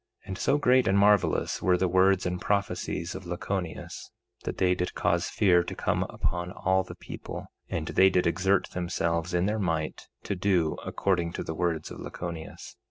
3:16 And so great and marvelous were the words and prophecies of Lachoneus that they did cause fear to come upon all the people; and they did exert themselves in their might to do according to the words of Lachoneus.